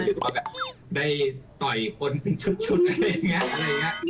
หรือว่าแบบได้ต่อยคนชุดอะไรอย่างนี้